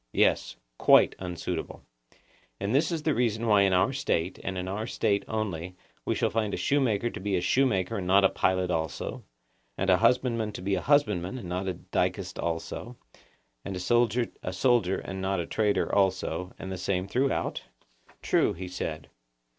Yes; quite unsuitable. And this is the reason why in our State, and in our State only, we shall find a shoemaker to be a shoemaker and not a pilot also, and a husbandman to be a husbandman and not a dicast also, and a soldier a soldier and not a trader also, and the same throughout? True, he said.